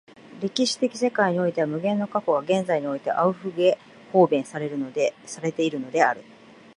歴史的世界においては無限の過去が現在においてアウフゲホーベンされているのである。